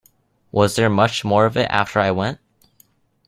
Was there much more of it after I went?